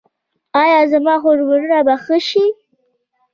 ایا زما هورمونونه به ښه شي؟